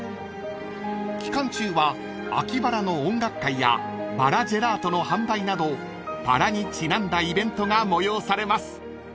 ［期間中は秋バラの音楽会やバラジェラートの販売などバラにちなんだイベントが催されます］